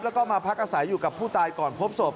แล้วก็มาพักอาศัยอยู่กับผู้ตายก่อนพบศพ